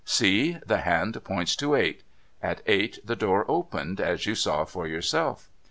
See ! The hand points to eight. At eight the door opened, as you saw for yourself.'